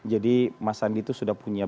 jadi mas sandi itu sudah punya